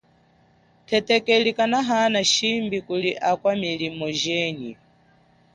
Thetekeli kanahana shimbi kuli akwa miliye jenyi.